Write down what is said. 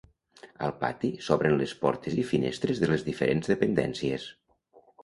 Al pati s'obren les portes i finestres de les diferents dependències.